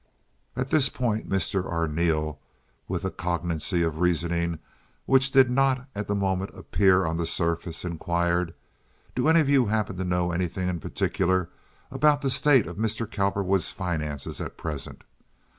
At this point Mr. Arneel, with a cogency of reasoning which did not at the moment appear on the surface, inquired: "Do any of you happen to know anything in particular about the state of Mr. Cowperwood's finances at present?